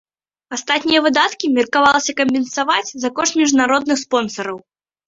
Астатнія выдаткі меркавалася кампенсаваць за кошт міжнародных спонсараў.